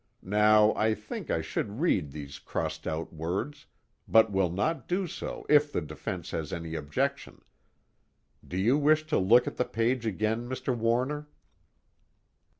Now I think I should read these crossed out words, but will not do so if the defense has any objection. Do you wish to look at the page again, Mr. Warner?